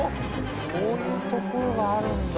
こういうところがあるんだ。